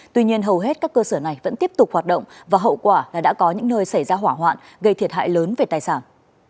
tuy nhiên hầu hết các cơ sở này vẫn tiếp tục hoạt động và hậu quả là đã có những nơi xảy ra hỏa hoạn gây thiệt hại lớn về tài sản